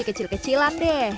kompetisi kecil kecilan deh